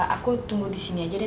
aku tunggu disini aja deh